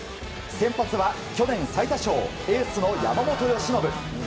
先発は去年最多勝エースの山本由伸。